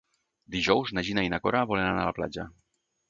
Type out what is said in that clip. Dijous na Gina i na Cora volen anar a la platja.